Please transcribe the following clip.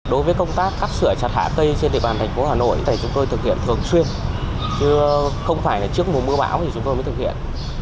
đối với công tác cắt sửa chặt hạ cây trên địa bàn thành phố hà nội thì chúng tôi thực hiện thường xuyên chứ không phải là trước mùa mưa bão thì chúng tôi mới thực hiện